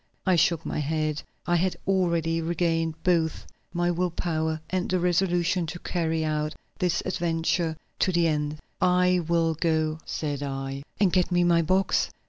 I shook my head; I had already regained both my will power and the resolution to carry out this adventure to the end. "I will go," said I. "And get me my box?"